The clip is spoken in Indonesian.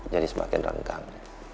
jadi semakin renggang